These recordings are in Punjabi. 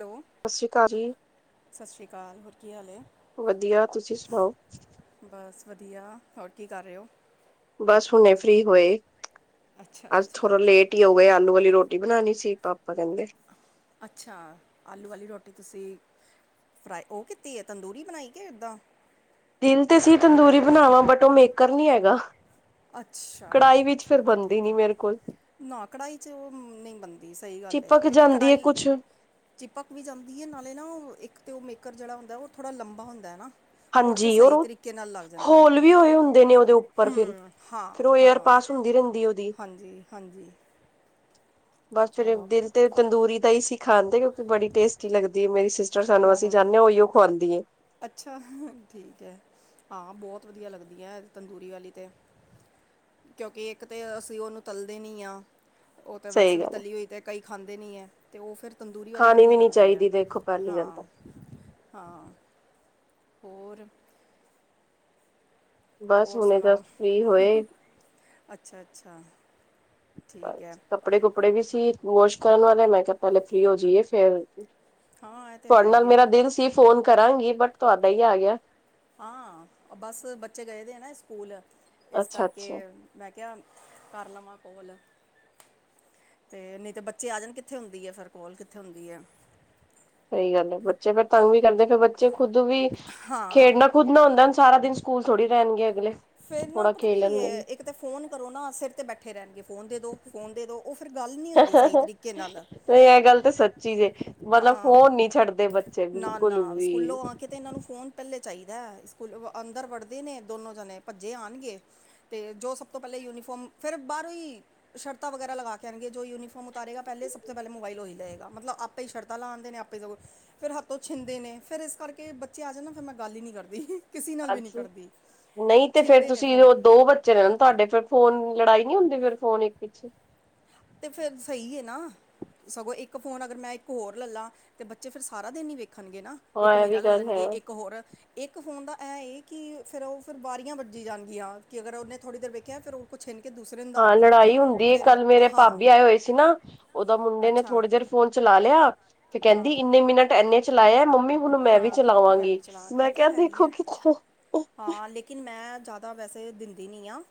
ਹੈਲੋ। ਸਤਿ ਸ਼੍ਰੀ ਅਕਾਲ ਜੀ। ਸਤਿ ਸ਼੍ਰੀ ਅਕਾਲ, ਹੋਰ ਕੀ ਹਾਲ ਏ? ਵਧੀਆ, ਤੁਸੀਂ ਸੁਣਾਓ? ਬਸ ਵਧੀਆ, ਹੋਰ ਕੀ ਕਰ ਰਹੇ ਹੋ। ਬਸ ਹੁਣੇ ਫ੍ਰਰੀ ਹੋਏ। ਅੱਛਾ [inaudible] ਅੱਜ ਅੱਛਾ ਥੋੜਾ ਲੇਟ ਫਰੀ ਹੋ ਗਏ, ਆਲੂ ਵਾਲੀ ਰੋਟੀ ਬਣਾਉਣੀ ਸੀ ਪਾਪਾ ਕਹਿੰਦੇ [inaudible] ਅੱਛਾ, ਆਲੂ ਵਾਲੀ ਰੋਟੀ ਤੁਸੀਂ ਫਰਾਈ ਉਹ ਕੀਤੀ ਏ ਤੰਦੂਰੀ ਬਣਾਈ ਕੇ ਇਦਾਂ ਦਿਲ ਤੇ ਸੀ ਤੰਦੂਰੀ ਬਣਾਵਾਂ, ਬਟ ਉਹ ਮੇਕਰ ਨੀ ਹੈਗਾ ਅੱਛਾ ਕੜਾਹੀ ਵਿੱਚ ਫਿਰ ਠੀਕ ਏ, ਬਣਦੀ ਠੀਕ ਨੀ ਏ। ਮੇਰੇ ਕੋਲ ਨਾ ਕੜਾਹੀ 'ਚ ਉਹ ਨਹੀਂ ਬਣਦੀ ਸਹੀ ਗੱਲ ਏ, ਚਿਪਕ ਕਿਉਂਕਿ ਜਾਂਦੀ ਹੈ ਕੜਾਹੀ ਕੁਛ ਚਿਪਕ ਵੀ ਜਾਂਦੀ ਹੈ, ਨਾਲੇ ਨਾ ਉਹ ਇੱਕ ਤਾਂ ਉਹ ਮੇਕਰ ਜਿਹੜਾ ਹੁੰਦਾ ਉਹ ਥੋੜ੍ਹਾ ਲੰਬਾ ਹੁੰਦਾ ਹੈ ਨਾ। ਔਰ ਤੇ ਤਾਂ ਹਾਂਜੀ ਸਹੀ ਉਹ ਤਰੀਕੇ ਨਾਲ ਲੱਗ ਜਾਂਦਾ ਏ ਹੋਲ ਵੀ ਹੋਏ ਹੁੰਦੇ ਨੇ ਉਹਦੇ [inaudible] ਉੱਪਰ ਫਿਰ ਹਮ। ਫਿਰ ਉਹ ਏਅਰ ਹਾਂ-ਹਾਂ, ਪਾਸ ਹੁੰਦੀ ਰਹਿੰਦੀ ਉਹਦੀ ਹਾਂਜੀ-ਹਾਂਜੀ। ਬਸ ਫੇਰ ਦਿਲ ਤੇ ਤੰਦੂਰੀ ਦਾ ਹੀ ਸੀ ਖਾਂਣ ਤੇ, ਕਿਉਂਕਿ ਬੜੀ ਟੇਸਟੀ ਲਗਦੀ ਏ ਮੇਰੀ ਸਿਸ ਟਰ ਸਾਨੂੰ ਅਸੀਂ ਬਹੁਤ ਜਾਂਦੇ ਆ, ਉਹੀਓ ਖਆਉਦੀ ਏ ਅੱਛਾ ਠੀਕ ਏ [inaudible] ਹਾਂ ਬਹੁਤ ਵਧੀਆ ਲੱਗਦੀ ਹੈ ਤੰਦੂਰੀ ਵਾਲੀ ਤੇ। ਕਿਉਂਕਿ ਤਾਂ ਅਸੀਂ ਉਹਨੂੰ ਤਲਦੇ ਨਹੀਂ ਹਾਂ, ਓਹ ਤਾਂ ਵੈਸੇ ਸਹੀ ਵੀ ਗੱਲ ਤਲੀ ਹੋਈ ਤਾਂ ਕਈ ਖਾਂਦੇ ਨਹੀਂ ਹੈ। ਤੇ ਉਹ ਫੇਰ ਤੰਦੂਰੀ ਵਾਲੀ ਖਾਣੀ ਵਧੀਆ ਵੀ ਨੀ ਲੱਗਦੀ ਹੈ। ਚਾਹੀਦੀ ਦੇਖੋ ਪਹਿਲੀ ਗੱਲ ਹਾਂ, ਤਾਂ ਹਾਂ ਹੋਰ ਬਸ ਹੋਰ ਹੁਣੇ ਸੁਣਾਓ? ਜਸਟ ਫ੍ਰੀ ਹੋਏ ਅੱਛਾ, ਅੱਛਾ। ਠੀਕ ਹੈ ਬਸ, ਕੱਪੜੇ -ਕੁਪੜੇ ਵੀ ਸੀ ਵਾਸ਼ ਕਰਨ ਵਾਲੇ ਮੈਂ ਕਿਹਾ ਪਹਿਲੇ ਫ੍ਰਰੀ ਹੋ ਜਾਈਏ ਫੇਰ ਹਾਂ ਇਹ ਤੇ ਹੈ ਤੁਹਾਡੇ ਨਾਲ ਹੀ ਮੇਰਾ ਹੈ ਦਿਲ ਸੀ, ਫੋਨ ਕਰਾਂਗੀ ਬਟ ਤੁਹਾਡਾ ਹੀ ਆ ਗਿਆ। ਹਾਂ ਬਸ ਬੱਚੇ ਗਏ ਦੇ ਹੈ ਨਾ ਸਕੂਲ, ਇਸ ਅੱਛਾ ਕਰਕੇ ਅੱਛਾ ਮੈਂ ਕਿਹਾ ਕਰ ਲਵਾਂ ਕੋਲ ਤੇ ਨਹੀਂ ਤੇ ਬੱਚੇ ਆ ਜਾਣ ਕਿੱਥੇ ਹੁੰਦੀ ਹੈ ਫੇਰ ਕੋਲ, ਕਿੱਥੇ ਹੁੰਦੀ ਹੈ। ਸਹੀ ਗੱਲ ਹੈ, ਬੱਚੇ ਵੀ ਕਰਦੇ ਫੇਰ ਬੱਚੇ ਖੁਦ ਵੀ ਹਾਂ ਖੇਡਣਾ ਖੁਦ ਨਾ ਹੁੰਦਾ, ਸਾਰਾ ਦਿਨ ਸਕੂਲ ਥੋੜ੍ਹੀ ਰਹਿਣਗੇ ਅਗਲੇ ਫੇਰ ਨਾ ਥੋੜਾ ਪਤਾ ਕੀ ਖੇਲਣਗੇ ਹੈ, ਵੀ। ਇਕ ਤਾਂ ਫੋਨ ਕਰੋ ਨਾ ਸਿਰ ਤੇ ਬੈਠੇ ਰਹਿਣਗੇ ਫੋਨ ਦੇ ਦੋ ਫੋਨ ਦੇ ਦੋ। ਔਹ ਫੇਰ ਗੱਲ ਨਹੀਂ ਹੁੰਦੀ, ਸਹੀ ਤਰੀਕੇ ਨਾਲ ਇਹ ਗੱਲ ਤਾਂ ਸੱਚੀ ਜੇ, ਮਤਲਬ ਹਾਂ ਫੋਨ ਨੀ ਛੱਡਦੇ ਬੱਚੇ ਬਿਲਕੁਲ ਵੀ ਕਿਤੇ ਇਹਨਾਂ ਨੂੰ ਫੋਨ ਪਹਿਲੇ ਚਾਹੀਦਾ, ਸਕੂਲ ਅੰਦਰ ਵੜਦੇ ਨੇ ਦੋਨੋ ਜਣੇ ਭੱਜੇ ਆਉਣਗੇ। ਤੇ ਜੋ ਸਭ ਤੋਂ ਪਹਿਲਾਂ ਯੂਨੀਫੋਰਮ, ਫੇਰ ਬਾਹਰੋਂ ਈ ਸ਼ਰਤਾਂ ਵਗੈਰਾ ਲਗਾ ਕੇ ਆਉਣਗੇ, ਜੋ ਯੂਨੀਫਾਰਮ ਉਤਾਰੇਗਾ ਪਹਿਲੇ ਸਭ ਤੋਂ ਪਹਿਲੇ ਮੋਬਲਹੀ ਲਏ ਗਾ ਮਤਲਬ ਆਪਾਂ ਸ਼ਰਾਤਾ‌ ਉਦੇ ਨੇ ਆਪੇ ਤੋਂ ਫੇਰ ਹੱਥੋਂ ਛਿੰਦੇ ਨੇ ਫੇਰ ਇਸ ਕਰਕੇ ਬੱਚੇ ਆ ਜਾਣ ਨਾ, ਫੇਰ ਮੈਂ ਗੱਲ ਹੀ ਨਹੀਂ ਕਰਦੀ। ਕਿਸੇ ਨਾਲ ਵੀ ਨਹੀਂ ਅੱਜ, ਕਰਦੀ ਨਹੀਂ ਤੇ ਫੇਰ ਛਿੰਦੇ ਨੇ ਤੁਸੀਂ ਫੋਨ ਉਹ ਦੋ ਬੱਚੇ [unintelligible] ਤੁਹਾਡੇ ਫੇਰ ਫੋਨ ਲੜਾਈ ਨੀ ਹੁੰਦੀ, ਫੇਰ ਫੋਨ ਇੱਕ ਪਿੱਛੇ ਤੇ ਫੇਰ ਸਹੀ ਹੈ ਨਾ ਸਗੋਂ ਇੱਕ ਫ਼ੋਨ ਅਗਰ ਮੈਂ ਇੱਕ ਹੋਰ ਲੈ ਲਾਂ, ਤਾਂ ਬੱਚੇ ਫਿਰ ਸਾਰਾ ਦਿਨ ਹੀ ਵੇਖਣਗੇ ਨਾ। ਹਾਂ ਇੱਕ ਇਹ ਮੇਰਾ ਵੀ ਗੱਲ ਲੱਲਣਗੇ ਹੈ ਇੱਕ ਹੋਰ ਇੱਕ ਫੋਨ ਦਾ ਇਹ ਇਹ ਕਿ ਫਿਰ ਉਹ ਫਿਰ ਵਾਰੀਆਂ ਵੱਜੀ ਜਾਣਗੀਆਂ ਕਿ ਅਗਰ ਉਹਨੇ ਥੋੜ੍ਹੀ ਦੇਰ ਵੇਖਿਆ ਫਿਰ ਉਹ ਕੁ ਛਨ ਕੇ ਦੂਸਰੇ ਦਾ ਹਾਂ ਆਂਗੀ ਲੜਾਈ ਹੁੰਦੀ ਏ ਫਿਰ ਕੱਲ ਮੇਰੇ ਹਾਂ ਭਾਬੀ ਆਏ ਹੋਏ ਸੀ ਨਾ ਉਹਦੋਂ ਮੁੰਡੇ ਨੇ ਅੱਛਾ ਥੋੜੇ ਦੇਰ ਫੋਨ ਚਲਾ ਲਿਆ ਫ ਕਹਿੰਦੀ ਹਾਂ ਇੰਨੇ ਮਿੰਟ ਇੰਨੇ ਚਲਾਇਆ ਮੰਮੀ ਹੁਣ ਮੈਂ ਵੀ ਹਾਂ ਮੈਂ ਵੀ ਚਲਾਵਾਂਗੀ ਚਲਾ ਇਹ ਮੈਂ ਤੇ ਕਿਹਾ ਹੈ ਹੀ ਦੇਖੋ ਹੈ ਕਿ ਹਾਂ ਲੇਕਿਨ ਮੈਂ ਜ਼ਿਆਦਾ ਵੈਸੇ ਦਿੰਦੀ ਨਹੀਂ ਹਾਂ।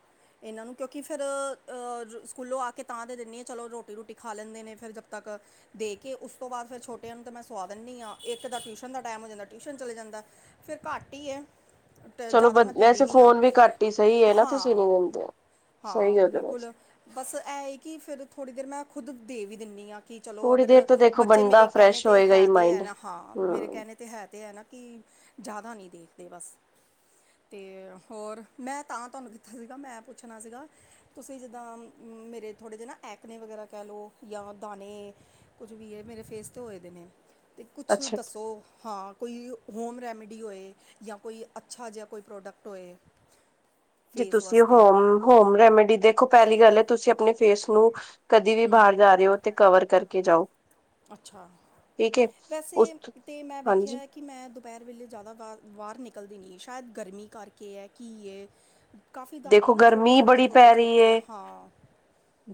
ਇਹਨਾਂ ਨੂੰ ਕਿਉਂਕਿ ਫਿਰ ਸਕੂਲੋਂ ਆ ਕੇ ਤਾਂ ਦੇ ਦਿੰਦੀ ਹਾਂ ਚਲੋ ਰੋਟੀ ਰੂਟੀ ਖਾ ਲੈਂਦੇ ਨੇ ਫਿਰ ਜਦ ਤੱਕ ਦੇ ਕੇ ਉਸ ਤੋਂ ਬਾਅਦ ਫਿਰ ਛੋਟੇਆਂ ਨੂੰ ਮੈਂ ਸਵਾ ਦਿੰਦੀ ਹਾਂ ਇੱਕ ਦਾ ਟਿਊਸ਼ਨ ਟਿਊਸ਼ਨ ਦਾ ਟਾਈਮ ਹੋ ਜਾਂਦਾ ਟਿਊਸ਼ਨ ਚਲੇ ਜਾਂਦਾ ਫਿਰ ਘੱਟ ਹੀ ਹੈ। ਤੇ ਚਲੋ ਜ਼ਿਆਦਾ ਮੈਂ ਦਿੰਦੀ ਵੈਸੇ ਨਹੀਂ ਆ ਫੋਨ ਵੀ ਘੱਟ ਹੀ ਸਹੀ ਹੈ ਨਾ ਤੁਸੀਂ ਨੀ ਹਾਂ। ਦਿੰਦੇ ਹਾਂ ਸਹੀ ਗੱਲ ਹੈ ਵੈਸੇ ਬਿਲਕੁਲ ਬਸ ਏਹ ਹੈ ਹੀ ਕਿ ਫੇਰ ਥੋੜ੍ਹੀ ਦੇਰ ਮੈਂ ਖੁਦ ਦੇ ਵੀ ਦਿੰਨੀ ਆ ਕਿ ਚਲੋ ਥੋੜ੍ਹੀ ਅਗਰ ਦੇਰ ਤਾਂ ਦੇਖੋ ਬੱਚੇ ਬੰਦਾ ਮੇਰੇ ਕਹਿਣੇ ਫਰੈਸ਼ ਤੇ ਹੋਏਗਾ ਹੈ ਹੀ ਤੇ ਹੈ ਮਾਇੰਡ ਨਾ ਹਾਂ ਮੇਰੇ ਹਮ ਕਹਿਣੇ ਤੇ ਹੈ ਤੇ ਹੈ ਨਾ ਕਿ ਜ਼ਿਆਦਾ ਨਹੀ ਦੇਖਦੇ ਬਸ। ਅਤੇ ਹੋਰ ਮੈਂ ਤਾਂ ਤੁਹਾਨੂੰ ਕੀਤਾ ਸੀਗਾ ਮੈਂ ਪੁੱਛਣਾ ਸੀਗਾ ਤੁਸੀਂ ਜਿੱਦਾਂ ਮੇਰੇ ਥੋੜ੍ਹੇ ਜਿਹੇ ਨਾ ਐਕਨੇ ਵਗੈਰਾ ਕਹਿ ਲਓ ਜਾਂ ਦਾਣੇ ਕੁਝ ਵੀ ਇਹ ਮੇਰੇ ਫੇਸ ਹੋਏ ਦੇ ਨੇ ਤੇ ਕੁਛ ਅੱਛਾ ਦੱਸੋ? ਹਾਂ ਕੋਈ ਹੋਮ ਰੈਮਡੀ ਹੋਏ ਜਾਂ ਕੋਈ ਅੱਛਾ ਜਿਹਾ ਕੋਈ ਪ੍ਰੋਡਕਟ ਹੋਏ। [inaudible] ਜੇ ਤੁਸੀਂ ਵਾਸਤੇ ਹੋਮ ਹੋਮ ਰੈਮੇਡੀ ਦੇਖੋ ਪਹਿਲੀ ਗੱਲ ਹੈ ਤੁਸੀਂ ਆਪਣੇ ਫੇਸ ਨੂੰ ਕਦੇ ਵੀ ਬਾਹਰ ਜਾ ਰਹੇ ਹੋ ਤੇ ਕਵਰ ਕਰਕੇ ਜਾਓ ਅੱਛਾ ਠੀਕ ਹੈ ਵੈਸੇ ਉਸ ਤੇ ਮੈਂ ਹਾਂਜੀ ਵੇਖਿਆ ਕਿ ਮੈਂ ਦੁਪਹਿਰ ਵੇਲੇ ਜ਼ਿਆਦਾ ਵ ਬਾਹਰ ਨਿਕਲਦੀ ਨਹੀਂ ਸ਼ਾਇਦ ਗਰਮੀ ਕਰਕੇ ਹੈ ਕੀ ਹੈ। ਕਾਫੀ ਦਾਣੇ ਦੇਖੋ ਨਾ ਛੋਟੇ ਗਰਮੀ ਛੋਟੇ ਬੜੀ ਛੋਟੇ ਪੈ ਰਹੀ ਛੋਟੇ ਹੈ ਹਾਂ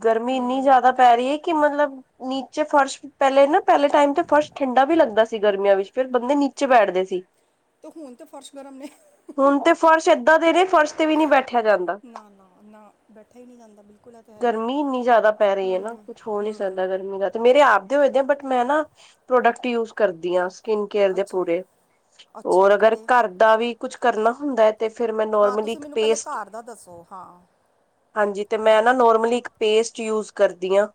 ਗਰਮੀ ਇੰਨੀ ਹੂੰ ਜ਼ਿਆਦਾ ਪੈ ਰਹੀ ਹੈ ਕਿ ਮਤਲਬ ਨੀਚੇ ਫਰਸ਼ ਪਹਿਲੇ ਨਾ ਪਹਿਲੇ ਟਾਈਮ ਤੇ ਫਰਸ਼ ਠੰਡਾ ਵੀ ਲੱਗਦਾ ਸੀ ਗਰਮੀਆਂ ਵਿੱਚ। ਫਿਰ ਬੰਦੇ ਨੀਚੇ ਬੈਠਦੇ ਸੀ। ਤੇ ਹੁਣ ਤੇ ਫਰਸ਼ ਗਰਮ ਨੇ [inaudible] ਹੁਣ ਤੇ ਫਰਸ਼ ਏਦਾਂ ਦੇ ਨੇ ਫਰਸ਼ ਤੇ ਵੀ ਨੀ ਬੈਠੇ ਬੈਠਿਆ ਜਾਂਦਾ ਨਾ ਨਾ ਨਾ ਬੈਠਾ ਹੀ ਨਹੀਂ ਜਾਂਦਾ ਬਿਲਕੁਲ ਇਹ ਤਾਂ ਹੈ ਹੀ ਹੈ ਗਰਮੀ ਇਨੀ ਜ਼ਿਆਦਾ ਪੈ ਰਹੀ ਹੈ ਨਾ ਕੁਛ ਹੋ ਨਹੀਂ ਸਕਦਾ ਗਰਮੀ ਦਾ ਤੇ ਮੇਰੇ ਆਪਦੇ ਹੋਏ ਦੇ ਆ ਬਟ ਮੈਂ ਨਾ ਪ੍ਰੋਡਕਟ ਹਾਂ ਸਕਿਨ ਕੇਅਰ ਦੇ ਅੱਛਾ ਪੂਰੇ। ਅੱਛਾ ਹੋਰ ਅਗਰ ਕਿਹੜੇ ਘਰ ਦਾ ਵੀ ਕੁਝ ਕਰਨਾ ਹੁੰਦਾ ਹੈ ਤੇ ਫਿਰ ਮੈਂ ਹਾਂ ਨੋਰਮਲੀ ਤੁਸੀਂ ਇੱਕ ਮੈਨੂੰ ਪੇ ਪਹਿਲੇ ਘਰ ਦਾ ਦੱਸੋ? ਹਾਂ। ਹਾਂਜੀ, ਤੇ ਮੈਂ ਨਾ ਨੋਰਮਲੀ ਇੱਕ ਪੇਸਟ ਯੂਜ ਕਰਦੀ ਹਾਂ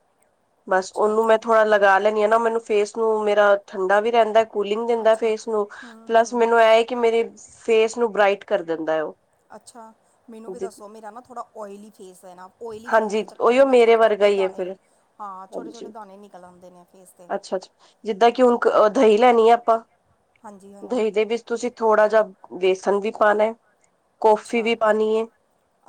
ਬਸ ਅੱਛਾ ਉਹਨੂੰ ਕਿ ਮੈਂ ਥੋੜਾ ਲ ਲਾ ਲੈੈਂਦੀ ਹ ਆ ਨਾ ਮੈਨ ਫੇਸ ਨੂੰ ਮੇਰਾ ਠੰਡਾ ਵੀ ਰਹਿੰਦਾ ਕੂਲਿੰਗ ਦਿੰਦਾ ਅੱਛਾ ਫੇਸ ਨੂੰ ਪਲੱਸ ਮੈਨੂੰ ਇਹ ਏ ਕਿ ਫੇਸ ਨੂੰ ਬਰਾਇਟ ਕਰ ਦਿੰਦਾ ਉਹ। ਅੱਛਾ। ਮੈਨੂੰ ਵੀ ਦੱਸੋ? ਮੇਰਾ ਨਾ ਥੋੜਾ ਓਲੀ ਫੇਸ ਹੈ ਨਾ, ਓਇਲੀ ਫੇਸ ਹਾਂਜੀ ਦੇ ਚੱਕਰ ਚ ਉਹੀਓ ਨਾ ਮੇਰੇ ਵਰਗਾ ਛੋਟੇ-ਛੋਟੇ ਹੀ ਹੈ ਦਾਣੇ ਫਿਰ ਹਾਂ, ਛੋਟੇ-ਛੋਟੇ ਹਾਂਜੀ ਦਾਣੇ ਨਿਕਲ ਆਉਂਦੇ ਨੇ ਫੇਸ 'ਤੇ [inaudible] ਅੱਛਾ ਅੱਛਾ ਜਿੱਦਾਂ ਕਿ ਹੁਣ ਦਹੀਂ ਲੈਣੀ ਹੈ ਆਪਾਂ ਹਾਂਜੀ-ਹਾਂਜੀ। ਦਹੀਂ ਦੇ ਵਿੱਚ ਤੁਸੀਂ ਥੋੜਾ ਜਿਹਾ ਬੇਸਨ ਵੀ ਪਾਉਣਾ ਹੈ, ਕੌਫੀ ਅੱਛਾ ਵੀ ਪਾਨੀ ਹੈ,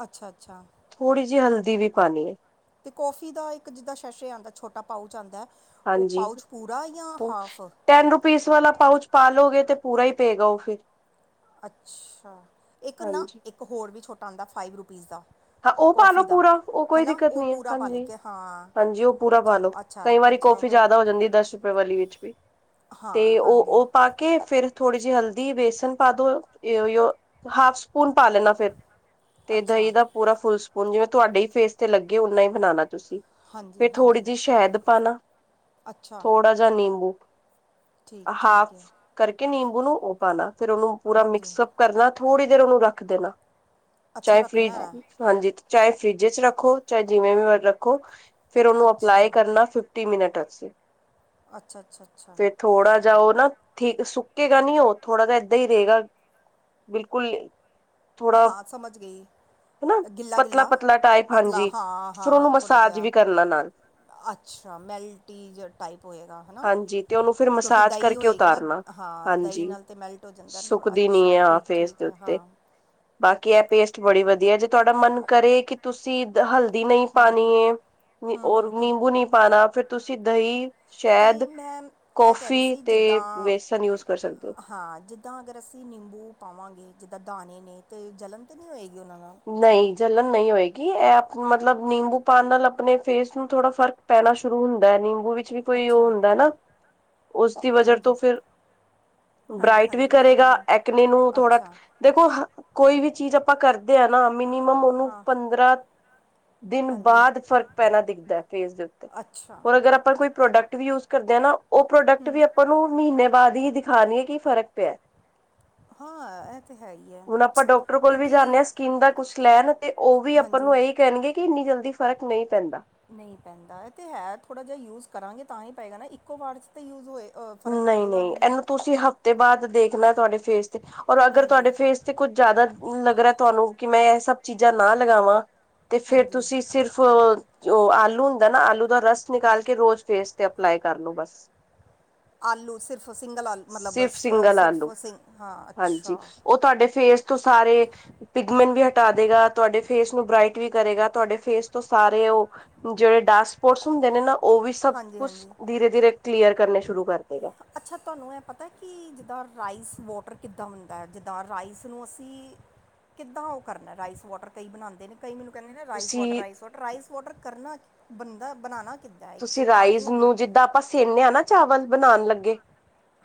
ਅੱਛਾ ਅੱਛਾ ਥੋੜੀ ਜਿਹੀ ਹਲਦੀ ਵੀ ਪਾਨੀ ਹੈ। ਅਤੇ ਕੌਫੀ ਦਾ ਇੱਕ ਜਿੱਦਾਂ ਸੇਸ਼ੇ ਆਉਂਦਾ ਛੋਟਾ ਪਾਊਚ ਆਂਦਾ ਉਹ ਹਾਂਜੀ ਪਾਊਚ ਪੂਰਾ ਜਾਂ ਹਾਫ। ਟੈਨ ਰੁਪੀਸ ਵਾਲਾ ਪਾਊਚ ਪਾ ਲਓਗੇ ਤੇ ਪੂਰਾ ਹੀ ਪਏਗਾ ਉਹ ਫਿਰ। ਅੱਛਾ, ਇੱਕ ਨਾ ਹਾਂਜੀ ਇੱਕ ਹੋਰ ਵੀ ਛੋਟਾ ਹੁੰਦਾ ਫਾਈਵ ਰੁਪੀਜ਼ ਦਾ। ਹਾਂ, ਉਹ ਪਾਲੋ ਕੌਫੀ ਦਾ ਪੂਰਾ ਉਹ ਹੈ ਕੋਈ ਨਾ ਦਿੱਕਤ ਉਹ ਨੀ ਹੈ, ਪੂਰਾ ਪਾ ਲੈ ਕੇ ਹਾਂ ਹਾਂਜੀ-ਹਾਂਜੀ ਉਹ ਪੂਰਾ ਚਲੋ ਪਾਲੋ। ਅੱਛਾ ਕਈ ਵਾਰੀ ਅੱਛਾ ਕੌਫੀ ਹੋਰ ਜ਼ਿਆਦਾ ਹੋ ਜਾਂਦੀ ਐ ਦਸ ਰੁਪਏ ਵਾਲੀ ਵਿੱਚ ਵੀ, ਹਾਂ ਤੇ ਹਾਂਜੀ ਉਹ-ਉਹ ਪਾ ਕੇ ਫਿਰ ਥੋੜੀ ਜਿਹੀ ਹਲਦੀ ਬੇਸਨ ਪਾਦੋ ਤੋਂ ਯੋ ਹਾਫ ਸਪੂਨ ਪਾ ਲੈਣਾ। ਫਿਰ ਤੇ ਦਹੀਂ ਅੱਛਾ ਦਾ ਪੂਰਾ ਫੁਲ ਸਪੂਨ ਜਿਵੇਂ ਤੁਹਾਡੇ ਈ ਫੇਸ ਤੇ ਲੱਗੇ ਓਨਾ ਈ ਬਣਾਣਾ ਤੁਸੀਂ ਹਾਂਜੀ ਫਿਰ ਥੋੜੀ ਹਾਂਜੀ ਜਿਹੀ ਸ਼ਹਿਦ ਪਾਲਾ ਅੱਛਾ ਥੋੜਾ ਜ ਜਾਂ ਨਿੰਬੂ, ਠੀਕ ਠੀਕ ਹੈ ਹਾਫ ਕਰਕੇ ਨਿੰਬੂ ਨੂੰ ਉਹ ਪਾਣਾ ਫਿਰ ਉਹਨੂੰ ਪੂਰਾ ਹਾਂਜੀ ਮਿਕਸਅਪ ਕਰਨਾ ਥੋੜ੍ਹੀ ਦੇਰ ਉਹਨੂੰ ਰੱਖ ਦੇਣਾ, ਅੱਛਾ ਚਾਹੇ ਫ੍ਰਿਜ ਰੱਖਣਾ ਹੈ ਹਾਂਜੀ, ਚਾਹੇ ਫਰਿਜ ਚ ਰੱਖੋ ਚਾਹੇ ਜਿਵੇਂ ਰੱਖੋ, ਫਿਰ ਉਹਨੂੰ ਅਪਲਾਈ ਅੱਛਾ ਕਰਨਾ ਫ ਟੀ ਮਿੰਟ ਆਸਤੇ ਸੀ। ਅੱਛਾ-ਅੱਛਾ-ਅੱਛਾ। ਥੋੜਾ ਜਾ ਉਹ ਨਾ ਠੀਕ ਸੁੱਕੇਗਾ ਨੀ ਉਹ ਥੋੜਾ ਜਿਹਾ ਐਦਾ ਰਏਗਾ। ਬਿਲਕੁਲ। ਥੋੜਾ ਹਾਂ ਸਮਝ ਗਈ। ਹਨਾ ਗਿੱਲਾ-ਗਿੱਲਾ, ਪਤਲਾ-ਪਤਲਾ ਟਾਈਪ ਪਤਲਾ ਹਾਂਜੀ। ਫਿਰ ਹਾਂ-ਹਾਂ ਉਹਨੂੰ ਥੋੜ੍ਹਾ ਮਸਾਜ ਜਿਹਾ। ਵੀ ਕਰਨਾ ਨਾਲ ਅੱਛਾ, ਮੈਲਟੀ ਜਾ ਟਾਈਪ ਹੋਏਗਾ ਹਨਾ, ਹਾਂਜੀ ਤੇ ਉਹਨੂੰ ਫਿਰ ਕਿਉਂਕਿ ਮਸਾਜ ਦਹੀਂ ਕਰਕੇ ਹੋਏਗੀ। ਉਤਾਰਨਾ। ਹਾਂ, ਦਹੀਂ ਹਾਂਜੀ ਨਾਲ ਤਾਂ ਮੈਲਟ ਹੋ ਜਾਂਦਾ ਨਾ ਥੋੜਾ ਸੁੱਕਦੀ ਨੀ ਅੱਛਾ, ਆ ਫੇਸ ਠੀਕ-ਠੀਕ ਦੇ ਐ ਉੱਤੇ ਹਾਂ। ਬਾਕੀ ਇਹ ਪੇਸਟ ਬੜੀ ਵਧੀਆ ਜੇ ਤੁਹਾਡਾ ਮਨ ਕਰੇ ਕਿ ਤੁਸੀਂ ਹਲਦੀ ਨਈ ਪਾਣੀ ਏ, ਔਰ ਨਿੰਬੂ ਨੀ ਪਾਣਾ, ਫਿਰ ਤੁਸੀਂ ਦਹੀਂ ਅਤੇ ਸ਼ਹਿਦ, ਮੈਂ ਇਹ ਕਹਿ ਰਹੀ ਕੌਫੀ ਸੀ ਜਿੱਦਾਂ ਤੇ ਬੇਸਨ ਯੂਜ ਕਰ ਸਕਦੇ ਓ। ਹਾਂ, ਜਿੱਦਾਂ ਅਗਰ ਅਸੀਂ ਨਿੰਬੂ ਪਾਵਾਂਗੇ ਜਿੱਦਾਂ ਦਾਣੇ ਨੇ ਤੇ ਜਲਣ ਤਾਂ ਨੀ ਹੋਏਗੀ ਉਹਨਾਂ ਨਾਲ। ਨਹੀਂ, ਜਲਣ ਨੀ ਹੋਏਗੀ ਇਹ ਮਤਲਬ ਨਿੰਬੂ ਪਾਣ ਨਾਲ ਆਪਣੇ ਫੇਸ ਨੂੰ ਥੋੜਾ ਫਰਕ ਪੈਣਾ ਸ਼ੁਰੂ ਹੁੰਦਾ ਐ, ਨਿੰਬੂ ਵਿੱਚ ਵੀ ਕੋਈ ਉਹ ਅੱਛਾ ਹੁੰਦਾ ਨਾ, ਉਸਦੀ ਵਜਾ ਤੋਂ ਹਾਂਜੀ ਫਿਰ ਹਾਂਜੀ ਬ੍ਰਾਈਟ ਵੀ ਹਾਂਜੀ ਸਮਝ ਕਰੇਗਾ ਗਈ ਐਕਨੇ ਨੂੰ ਥੋੜਾ ਅੱਛਾ ਦੇਖੋ ਕੋਈ ਵੀ ਚੀਜ਼ ਆਪਾਂ ਕਰਦੇ ਆ ਨਾ ਮਿਨੀਮਮ ਉਹਨੂੰ ਹਾਂ ਪੰਦਰਾਂ ਦਿਨ ਹਾਂਜੀ ਬਾਦ ਫ਼ਰਕ ਪੈਣਾ ਦਿਖਦਾ ਫੇਸ ਦੇ ਉੱਤੇ ਅੱਛਾ ਹੁਣ ਅਗਰਾਂ ਆ ਆਪਾਂ ਕੋਈ ਪ੍ਰੋਡਕਟ ਵੀ ਯੂਜ ਕਰਦੇ ਆ, ਨਾ ਉਹ ਪ੍ਰੋਡਕਟ ਵੀ ਆਪਾਂ ਨੂੰ ਮਹੀਨੇ ਬਾਦ ਈ ਦਿਖਾਣ ਗੇ ਕਿ ਫਰਕ ਪਿਆ। ਹਾਂ ਇਹ ਤਾਂ ਹੈ ਈ ਐ ਕਿਉਂਕਿ ਕਹਿੰਦਾ ਦਾ ਕੁਛ ਲੈਣ ਤੇ ਵੀ ਆਪਾਂ ਹਾਂਜੀ ਨੂੰ ਇਹੀ ਕਹਿਣਗੇ ਕਿ ਇੰਨੀ ਜਲਦੀ ਫਰਕ ਨਈ ਪੈਂਦਾ। ਨਈ ਪੈਂਦਾ ਇਹ ਐ ਤੇ ਹੈ ਥੋੜ੍ਹਾ ਜਿਹਾ ਯੂਜ ਕਰਾਂਗੇ ਤਾਂਹੀ ਪਏਗਾ ਨਾ ਇੱਕੋ ਵਾਰ 'ਚ ਤਾਂ ਯੂਜ ਹੋਏ ਅ ਫ਼ਰਕ ਨਹੀਂ ਪਏਗਾ ਨਹੀਂ ਨੀ ਐ। ਇਹਨੂੰ ਤੁਸੀਂ ਹਫ਼ਤੇ ਬਾਦ ਦੇਖਲਾ ਤੁਹਾਡੇ ਫੇਸ ਤੇ ਔਰ ਅਗਰ ਹਾਂਜੀ ਤੁਹਾਡੇ ਫੇਸ ਤੇ ਕੁੱਝ ਜ਼ਿਆਦਾ ਲੱਗ ਰਿਆ ਤੁਹਾਨੂੰ ਕਿ ਮੈਂ ਇਹ ਸਭ ਚੀਜ਼ਾਂ ਨਾ ਲਗਾਵਾਂ ਤੇ ਫੇਰ ਹਾਂਜੀ ਤੁਸੀਂ ਸਿਰਫ ਜੋ ਆਲੂ ਹੁੰਦਾ ਨਾ ਆਲੂ ਦਾ ਰਸ ਨਿਕਾਲ ਕੇ ਰੋਜ਼ ਫੇਸ ਤੇ ਅਪਲਾਈ ਕਰ ਲੋ ਬਸ ਆਲੂ ਸਿਰਫ ਸਿੰਗਲ ਆਲੂ ਮਤਲਬ ਸਿਰਫ ਸਿੰਗਲ ਸਿਰਫ ਆਲੂ ਸਿੰ ਹਾਂ ਹਾਂਜੀ ਅੱਛਾ। ਉਹ ਤੁਹਾਡੇ ਫੇਸ ਤੋਂ ਸਾਰੇ ਪਿਗਮਨ ਵੀ ਹਟਾ ਦੇਗਾ ਤੁਹਾਡੇ ਫੇਸ ਨੂੰ ਬ੍ਰਈਟ ਵੀ ਕਰੇਗਾ ਤੁਹਾਡੇ ਫੇਸ ਤੋਂ ਸਾਰੇ ਉਹ ਜਿਹੜੇ ਡਾਕ ਸਪੋਰਟਸ ਹੁੰਦੇ ਨੇ ਨਾ ਉਹ ਵੀ ਸਭ ਹਾਂਜੀ ਕੁਛ ਹਾਂਜੀ ਧੀਰੇ ਧੀਰੇ ਕਲੀਅਰ ਕਰਨੇ ਸ਼ੁਰੂ ਕਰਦੇ ਗਾ। ਅੱਛਾ ਤੁਹਾਨੂੰ ਇਹ ਪਤਾ ਕਿ ਜਿੱਦਾਂ ਰਾਈਸ ਵੋਟਰ ਕਿੱਦਾਂ ਹੁੰਦਾ ਐ? ਜਿੱਦਾਂ ਰਾਈਸ ਨੂੰ ਅਸੀਂ ਕਿੱਦਾਂ ਉਹ ਕਰਨਾ ਰਾਈਸ ਵਾਟਰ ਕਈ ਬਣਾਦੇ ਨੇ ਕਈ ਮੈਨੂੰ ਕਹਿੰਦੇ ਨੇ ਰਾਈਸ ਤੁਸੀਂ water rice water rice water ਕਰਨਾ ਬੰਦਾ ਬਣਾਣਾ ਕਿੱਦਾਂ ਹੈ? ਇੱਕ ਤੇ ਤੁਸੀਂ ਪਾਣੀ ਰਾਈਜ਼ ਹੋ ਗਿਆ ਨੂੰ ਜਿੱਦਾਂ ਆਪਾਂ ਸੇਨੇ ਆ ਚਾਵਲ ਬਣਾਣ ਲੱਗੇ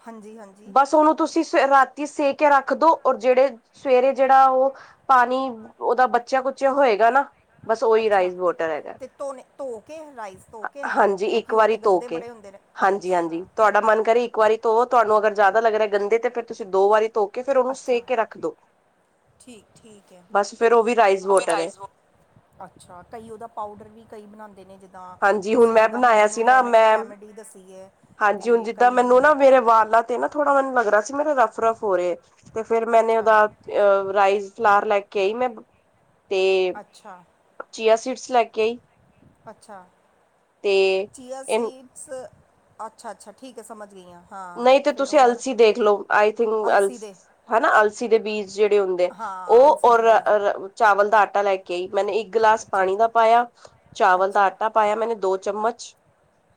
ਹਾਂਜੀ ਹਾਂਜੀ ਬਸ ਉਹਨੂੰ ਤੁਸੀਂ ਸ ਰਾਤੀ ਸੇ ਕੇ ਰੱਖਦੋ ਔਰ ਜਿਹੜੇ ਸਵੇਰੇ ਜਿਹੜਾ ਉਹ ਪਾਨੀ ਉਹਦਾ ਬੱਚਿਆ-ਕੁਚਿਆ ਹੋਏਗਾ ਨਾ ਬਸ ਉਹੀ ਅੱਛਾ ਰਾਈਸ ਵਾਟਰ ਹੈਗਾ ਤੇ ਧੋਨੇ ਧੋ ਕੇ ਰਾਈਸ ਧੋ ਕੇ ਨਾ ਹਾਂਜੀ ਇੱਕ ਕਿਉਂਕਿ ਉਹ ਵਾਰੀ ਤੇ ਤੋ ਗੰਦੇ ਕੇ ਬੜੇ ਹੁੰਦੇ ਨੇ ਹਾਂਜੀ- ਅੱਛਾ ਹਾਂਜੀ ਤੁਹਾਡਾ ਮਨ ਕਰੇ ਇੱਕ ਵਾਰੀ ਧੋ ਤੁਹਾਨੂੰ ਅਗਰ ਜ਼ਿਆਦਾ ਲੱਗ ਰਿਹਾ ਗੰਦੇ ਤੇ ਫਿਰ ਤੁਸੀਂ ਦੋ ਵਾਰੀ ਧੋ ਫ਼ਿਰ ਉਹਨੂੰ ਸੇ ਅੱਛਾ ਕੇ ਰੱਖ ਦੋ ਠੀਕ ਠੀਕ ਹੈ ਬਸ ਫੇਰ ਉਹ ਵੀ ਰਾਈਸ ਉਹ ਹਾਂ ਵੋਟਰ ਏ। ਰਾਈਸ ਅੱਛਾ ਕਈ ਉਹਦਾ ਪਾਊਡਰ ਵੀ ਕਈ ਬਣਾੰਦੇ ਨੇ ਜਿਦਾ ਜਿਦਾਂ ਹਾਂਜੀ ਹੁਣ ਤੁਸੀਂ ਮੈਂ ਜਿੱਦਾਂ ਹੁਨ ਬਣਾਇਆ ਸੀ ਮੈਨੂੰ ਰੈ ਨਾ ਮੈਂ ਰੈਮੇਡੀ ਦੱਸੀ ਏ। ਹਾਂਜੀ ਹੁਨ ਜਿੱਦਾਂ ਮੈਨੂੰ ਨਾ ਮੇਰੇ ਵਾਲਾ ਤੇ ਨਾ ਥੋੜਾ ਮੈਨੂੰ ਲੱਗ ਰਹਾ ਸੀ ਮੇਰੇ ਰਫ-ਰਫ ਹੋ ਰਹੇ ਤੇ ਫੇਰ ਮੈਨੇ ਅੱਛਾ ਉਹਦਾ ਅ ਰਾਈਸ ਫਲਾਰ ਲੈ ਕੇ ਆਈ ਮੈਂ, ਤੇ ਅੱਛਾ। ਚੀਆ ਸੀਡਸ ਲੈ ਕੇ ਆਈ ਅੱਛਾ, ਤੇ ਚੀਆ ਸੀਡ ਸਰ ਅੱਛਾ-ਅੱਛਾ ਠੀਕ ਹੈ ਸਮਝ ਗਈ ਆ। ਨਹੀਂ ਤੇ ਤੁਸੀਂ ਅਲਸੀ ਦੇਖ ਲਓ ਆਈ ਥਿੰਕ ਅਲਸੀ ਹਨਾ ਅਲਸੀ ਦੇ ਬੀਜ ਜਿਹੜੇ ਹੁੰਦੇ, ਹਾਂ ਉਹ ਅਲਸੀ ਔਰ ਦੇ ਬੀਜ ਚਾਵਲ ਦਾ ਆਟਾ ਲੈ ਕੇ ਆਈ ਮੈਨੇ ਇੱਕ ਗਲਾਸ ਅੱਛਾ ਪਾਣੀ ਦਾ ਪਾਇਆ ਚਾਵਲ ਦਾ ਅੱਛਾ ਆਟਾ ਪਾਇਆ ਮੈਨੇ ਦੋ ਚਮਚ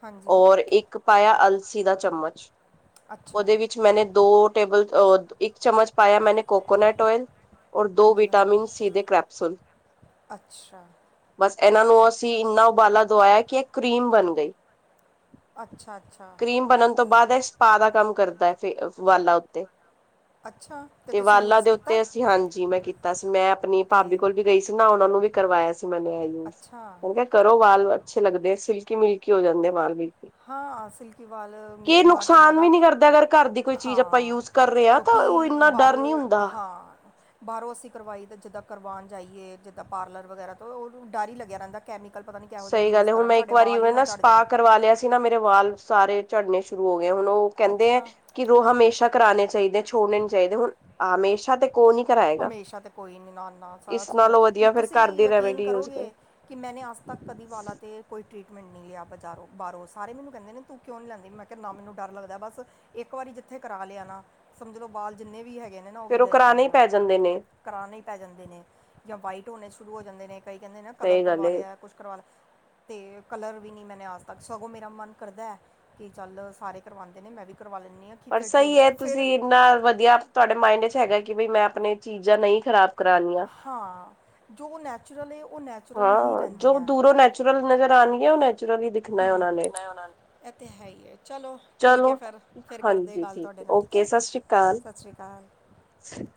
ਹਾਂਜੀ ਔਰ ਇੱਕ ਪਾਇਆ ਅਲਸੀ ਦਾ ਚਮਚ ਅੱਛਾ ਉਹਦੇ ਵਿੱਚ ਮੈਂਨੇ ਦੋ ਟੇਬਲ ਔਰ ਇੱਕ ਚਮਚ ਪਾਇਆ ਮੈਂਨੇ ਕੋਕੋਨਟ ਓਇਲ, ਔਰ ਦੋ ਹਾਂਜੀ ਹਾਂਜੀ ਵਿਟਾਮਿਨ ਸੀ ਦੇੇ ਕਰੈਪਸੂਲ ਅੱਛਾ। ਬਸ ਇਹਨਾਂ ਨੂੰ ਅਸੀਂ ਇੰਨਾ ਉਬਾਲਾ ਦਵਾਇਆ ਕਿ ਇਹ ਕਰੀਮ ਬਨ ਗਈ। ਅੱਛਾ ਅੱਛਾ ਕਰੀਮ ਬਣਨ ਤੋਂ ਬਾਅਦ ਇਸ ਸਪਾ ਦਾ ਕੰਮ ਕਰਦਾ ਐ ਫੇਰ ਵਾਲਾ ਉੱਤੇ ਅੱਛਾ। ਅਤੇ ਤੇ ਤੁਸੀਂ ਵਾਲਾਂ ਯੂਜ਼ ਦੇ ਕੀਤਾ ਉੱਤੇ ਅਸੀਂ ਹਾਂਜੀ ਮੈਂ ਕੀਤਾ ਸੀ ਮੈਂ ਆਪਨੀ ਅਤੇ ਭਾਬੀ ਕੋਲ ਵੀ ਗਈ ਸੀ ਨਾ ਉਹਨਾਂ ਨੂੰ ਵੀ ਕਰਵਾਇਆ ਸੀ ਮੈਨੇ ਇਹ ਅੱਛਾ। ਮ ਕਿਹਾ ਕਰੋ ਵਾਲ ਅੱਛੇ ਲੱਗਦੇ ਸਿਲਕੀ-ਮਿਲਕੀ ਹੋ ਜਾਂਦੇ ਵਾਲ ਵੀ ਹਾਂਅ ਸਿਲਕੀ ਵਾਲ ਨੇ ਤਾਂ ਨੁਕਸਾਨ ਵੀ ਬਹੁਤਾ ਨੀ ਕਰਦਾ ਅਗਰ ਘਰ ਦੀ ਕੋਈ ਚੀਜ਼ ਆਪਾਂ ਹਾਂ, ਯੂਜ ਕਰ ਰਹੇ ਹਾਂ ਤਾਂ ਉਹ ਕਿਉਂਕਿ ਇੰਨਾ ਡਰ ਨਹੀਂ ਬਾਹਰੋਂ ਹੁੰਦਾ ਹਾਂ। ਬਾਹਰੋਂ ਅਸੀਂ ਕਰਵਾਈ ਤਾਂ ਜਿੱਦਾਂ ਕਰਵਾਨ ਜਾਈਏ ਜਿੱਦਾਂ ਪਾਰਲਰ ਵਗੈਰਾ ਤੋਂ ਉਹ ਡਰ ਹੀ ਲੱਗਿਆ ਰਹਿੰਦਾ। ਕੈਮੀਕਲ ਪਤਾ ਨ ਨਹੀਂ ਕਿਹੋ ਜਿਹੇ ਸਹੀ ਯੂਜ ਗੱਲ ਹੈ ਹੁਣ ਕਰਨ ਮੈਂ ਇੱਕ ਸਾਡੇ ਵਾਰੀ ਵਾਲ ਹੀ ਨਾ ਚੜ੍ਹ ਜਾਣ। ਸਪਾ ਕਰਵਾ ਲਿਆ ਸੀ ਨਾ ਮੇਰੇ ਵਾਲ ਸਾਰੇ ਝੜਨੇ ਸ਼ੁਰੂ ਹੋ ਗਏ ਹੁਣ ਉਹ ਕਹਿੰਦੇ ਐ ਅੱਛਾ ਕਿ ਰੋ ਹਮੇਸ਼ਾ ਕਰਾਣੇ ਚਾਹੀਦੇ ਛੋੜਣੇ ਨੀ ਚਾਹੀਦੇ ਹੁਨ ਹਮੇਸ਼ਾ ਤੇ ਕੋ ਨੀ ਕਰਾਏਗਾ ਹਮੇਸ਼ਾ ਤਾਂ ਕੋਈ ਨੀ ਨਾ-ਨਾ ਇਸ ਸ ਨਾਲੋਂ ਵਧੀਆ ਫਿਰ ਤੁਸੀਂ ਘਰ ਦੀ ਯਕੀਨ ਰੈਮੇਡੀ ਯੂਜ ਕਰ ਕਰੋਗੇ। ਕਿ ਮੈਨੇ ਅੱਜ ਤੱਕ ਕਦੀ ਵਾਲਾ 'ਤੇ ਕੋਈ। ਟਰੀਟਮੈਂਟ ਨਹੀਂ ਲਿਆ ਬਜ਼ਾਰੋਂ ਬਾਹਰੋਂ ਸਾਰੇ ਮੈਨੂੰ ਕਹਿੰਦੇ ਨੇ ਤੂੰ ਕਿਉਂ ਨਹੀਂ ਲੈਂਦੀ ਮੈਂ ਕਿਹਾ ਨਾ ਮੈਨੂੰ ਡਰ ਲੱਗਦਾ ਬਸ ਇੱਕ ਵਾਰੀ ਜਿੱਥੇ ਕਰਾ ਲਿਆ ਨਾ ਸਮਝ ਲੋ ਬਾਲ ਜਿੰਨੇ ਵੀ ਹੈਗੇ ਨੇ ਨਾ ਉਹ ਵੀ ਫੇਰ ਗਏ ਕਰਾਣੇ ਸਮਝ ਹੀ ਲੋ ਪੈ ਜਾਂਦੇ ਨੇ। ਕਰਾਨੇ ਈ ਪੈ ਜਾਂਦੇ ਨੇ ਜਾਂ ਵਾਈਟ ਹੋਨੇ ਸ਼ੁਰੂ ਹੋ ਜਾਂਦੇ ਨੇ। ਕਈ ਕਹਿੰਦੇ ਨੇ ਨਾ ਕਲਰ ਸਹੀ ਗੱਲ ਕਰਵਾ ਏ ਲਿਆ ਕੁਛ ਕਰਵਾ ਲਿਆ ਤੇ ਕਲਰ ਵੀ ਨਹੀਂ ਮੈਨੇ ਆਜ ਤੱਕ ਸਗੋਂ ਮੇਰਾ ਮਨ ਕਰਦਾ ਐ ਕੀ ਚੱਲ ਸਾਰੇ ਕਰਵਾੰਦੇ ਨੇ ਮੈਂ ਵੀ ਕਰਵਾ ਲੈਂਨੀ ਆ ਪਰ ਸਈ ਐ, ਤੁਸੀਂ ਇੰਨਾ ਵਧੀਆ ਤੁਆਡੇ ਮਾਇੰਡ ਚ ਹੈਗਾ ਕਿ ਬਈ ਮੈਂ ਆਪਣੇ ਚੀਜ਼ਾਂ ਨਈਂ ਖਰਾਬ ਕਰਾਣੀਆਂ। ਹਾਂ, ਜੋ ਨੈਚੁਰਲ ਏ, ਓ ਨੈਚ ਹਾਂ, ਜੋ ਦੂਰੋਂ ਨੈਚੁਰਲ ਨਜ਼ਰ ਆਣੀ ਐ, ਓ ਨੈਚੁਰਲ ਈ ਦਿਖਣਾ ਏ ਓਨਾਂ ਨੇ। ਮੈਂ ਉਹਨਾਂ ਨੂੰ ਇਹ ਤਾਂ ਹੈ ਈ ਐ, ਚਲੋ, ਠੀਕ ਐ ਚਲੋ ਫਿਰ। ਫਿਰ ਕਰਦੇ ਹਾਂਜੀ ਗੱਲ ਠੀਕ ਤੁਆਡੇ ਹੈ, ਨਾਲ ਠੀਕ ਐ। ਓਕੇ ਸਤਿ ਸ੍ਰੀ ਅਕਾਲ ਸਤਿ ਸ਼੍ਰੀ ਅਕਾਲ। [inaudible]